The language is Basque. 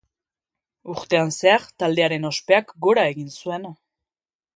Urtean zehar taldearen ospeak gora egin zuen.